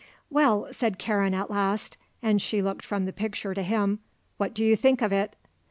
"Well," said Karen at last, and she looked from the picture to him. "What do you think of it?"